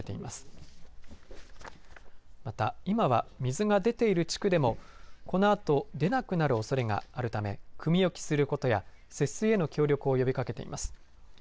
また、今は水が出ている地区でもこのあと出なくなるおそれがあるためくみ置きすることや節水への協力を呼びかけています。